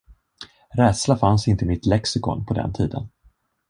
Rädsla fanns inte i mitt lexikon på den tiden.